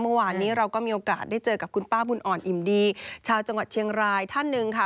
เมื่อวานนี้เราก็มีโอกาสได้เจอกับคุณป้าบุญอ่อนอิ่มดีชาวจังหวัดเชียงรายท่านหนึ่งค่ะ